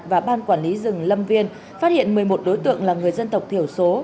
và ban quản lý rừng lâm viên phát hiện một mươi một đối tượng là người dân tộc thiểu số